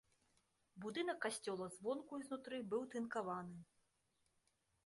Будынак касцёла звонку і знутры быў тынкаваны.